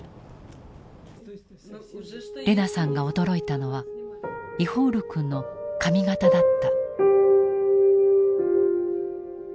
レナさんが驚いたのはイホール君の髪型だった。